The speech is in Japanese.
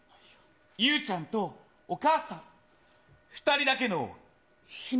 ゆうちゃんとお母さん、２人だけの秘密。